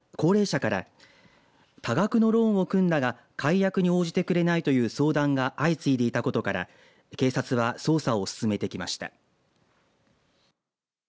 この呉服店をめぐっては高齢者から多額のローンを組んだが解約に応じてくれないという相談が相次いでいたことから警察は捜査を進めてきました。